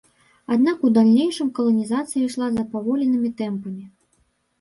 Аднак у далейшым каланізацыя ішла запаволенымі тэмпамі.